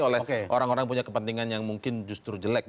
oleh orang orang punya kepentingan yang mungkin justru jelek